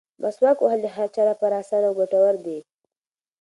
مسواک وهل د هر چا لپاره اسانه او ګټور دي.